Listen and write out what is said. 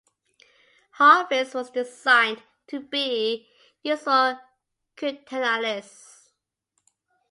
Harvest was designed to be used for cryptanalysis.